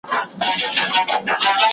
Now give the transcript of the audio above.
د کاغذ عمر د ساینس په مرسته ټاکل کیږي.